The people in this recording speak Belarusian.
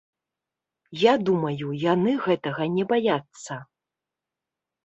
Я думаю, яны гэтага не баяцца.